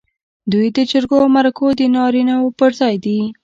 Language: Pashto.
دوی د جرګو او مرکو د نارینه و پر ځای دي.